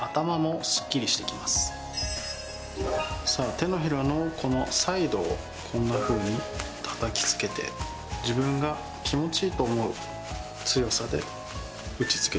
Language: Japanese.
さあ手のひらのこのサイドをこんなふうにたたき付けて自分が気持ちいいと思う強さで打ち付けてください。